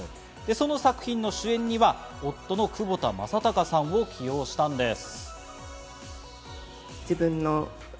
その作品の主演には夫の窪田正孝さんを起用したんです。